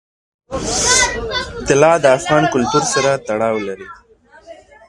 طلا د افغان کلتور سره تړاو لري.